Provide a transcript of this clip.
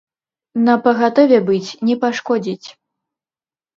Напагатове быць не пашкодзіць.